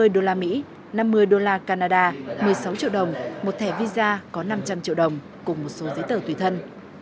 một trăm năm mươi đô la mỹ năm mươi đô la canada một mươi sáu triệu đồng một thẻ visa có năm trăm linh triệu đồng cùng một số giấy tờ tùy thân